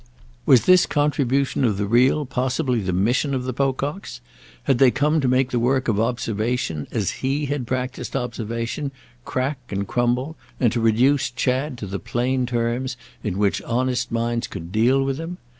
Was this contribution of the real possibly the mission of the Pococks?—had they come to make the work of observation, as he had practised observation, crack and crumble, and to reduce Chad to the plain terms in which honest minds could deal with him?